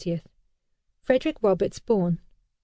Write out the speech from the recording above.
Frederick Roberts born.